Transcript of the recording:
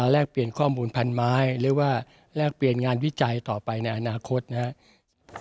แลกเปลี่ยนข้อมูลพันไม้หรือว่าแลกเปลี่ยนงานวิจัยต่อไปในอนาคตนะครับ